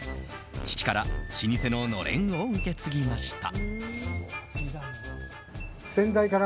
父から老舗ののれんを受け継ぎました。